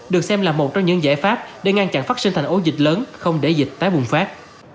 được xem là một trong những giải pháp để ngăn chặn phát sinh thành ổ dịch lớn không để dịch tái bùng phát